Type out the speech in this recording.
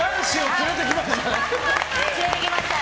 連れてきました。